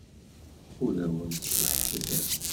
Ur awent-ttwehhiɣ.